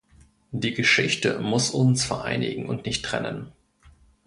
Die Geschichte muss uns vereinigen und nicht trennen.